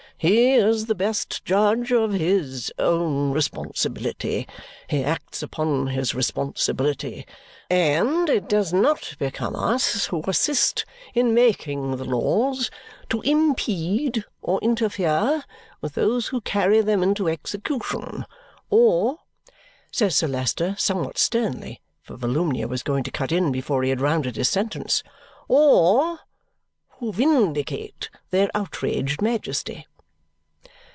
He is the best judge of his own responsibility; he acts upon his responsibility. And it does not become us, who assist in making the laws, to impede or interfere with those who carry them into execution. Or," says Sir Leicester somewhat sternly, for Volumnia was going to cut in before he had rounded his sentence, "or who vindicate their outraged majesty."